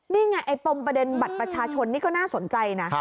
นี่ไงไอ้ปมประเด็นบัตรประชาชนนี่ก็น่าสนใจนะ